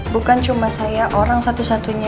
bukan cuma saya orang satu satunya